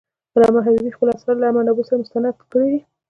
علامه حبيبي خپل آثار له منابعو سره مستند کړي دي.